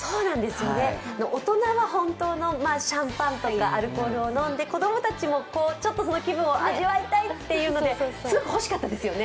大人は本当のシャンパンとかアルコールを飲んで子供たちもちょっとその気分を味わいたいということですごくほしかったですね。